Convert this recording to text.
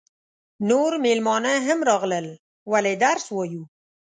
نور مېلمانه هم راغلل ولې درس وایو.